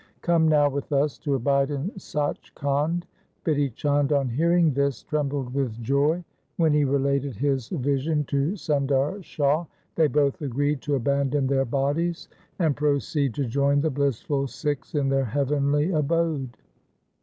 Come now with us to abide in Sach Khand.' Bidhi Chand on hearing this trembled with joy. When he related his vision to Sundar Shah they both agreed to aban don their bodies and proceed to join the bliss ful Sikhs in their heavenly abode.